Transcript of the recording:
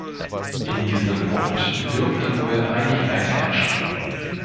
In diesem Punkt dürfte wohl Einigkeit herrschen.